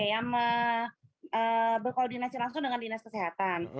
yang berkoordinasi langsung dengan dinas kesehatan